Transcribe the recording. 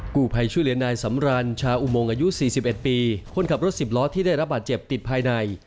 กู้ภัยช่วยเหลือนายสำรันชาอุโมงอายุ๔๑ปีคนขับรถ๑๐ล้อที่ได้รับบาดเจ็บติดภายใน